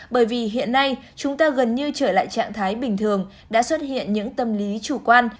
bởi vì hiện nay chúng ta gần như trở lại trạng thái bình thường đã xuất hiện những tâm lý chủ quan